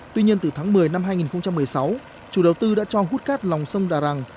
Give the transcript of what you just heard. tuy nhiên từ tháng một mươi năm hai nghìn một mươi sáu chủ đầu tư đã cho hút cát lòng sông đà răng